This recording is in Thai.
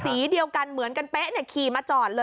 สีเดียวกันเหมือนกันเป๊ะขี่มาจอดเลย